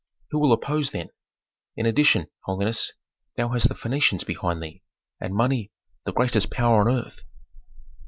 Who will oppose, then? In addition, holiness, thou hast the Phœnicians behind thee, and money, the greatest power on earth."